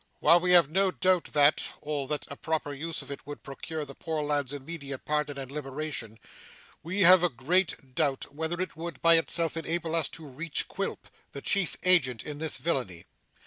While we have no doubt of that, or that a proper use of it would procure the poor lad's immediate pardon and liberation, we have a great doubt whether it would, by itself, enable us to reach Quilp, the chief agent in this villany.